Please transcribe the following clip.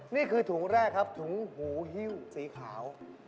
นี่ค่ะถุงแรกถุงหูแฮ่วสีขาว